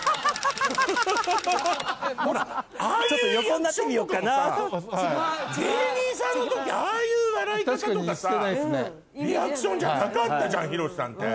ほらああいうリアクションとかもさ芸人さんの時ああいう笑い方とかさリアクションじゃなかったじゃんヒロシさんて。